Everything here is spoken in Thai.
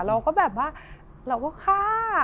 เราก็แบบว่าเราก็ฆ่า